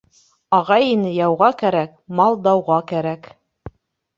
Ағай-эне яуға кәрәк, мал дауға кәрәк.